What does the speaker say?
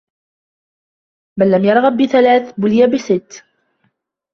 مَنْ لَمْ يَرْغَبْ بِثَلَاثٍ بُلِيَ بِسِتٍّ